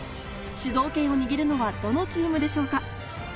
主導権を握るのはどのチームでしょうか。